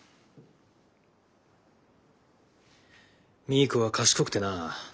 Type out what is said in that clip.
ミーコは賢くてな。